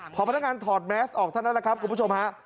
พอพนักงานถอดแมสออกเท่านั้นแหละครับคุณผู้ชมฮะ